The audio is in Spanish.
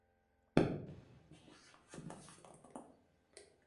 Es internacional absoluto con la selección de las Islas Bermudas.